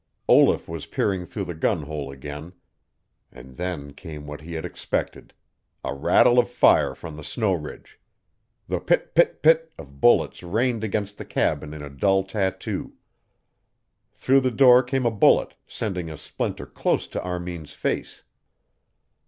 Olaf was peering through the gun hole again. And then came what he had expected a rattle of fire from the snow ridge. The PIT PIT PIT of bullets rained against the cabin in a dull tattoo. Through the door came a bullet, sending a splinter close to Armin's face.